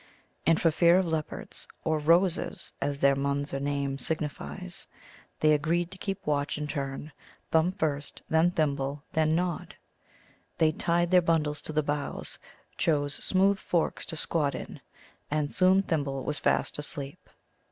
And for fear of leopards (or "Roses," as their Munza name signifies), they agreed to keep watch in turn, Thumb first, then Thimble, then Nod. They tied their bundles to the boughs, chose smooth forks to squat in, and soon Thimble was fast asleep.